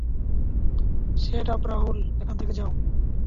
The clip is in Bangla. শেট আপ রাহুল এখান থেকে যাও।